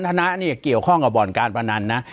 ปากกับภาคภูมิ